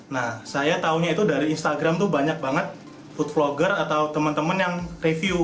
nah saya taunya itu dari instagram tuh banyak banget food vlogger atau teman teman yang review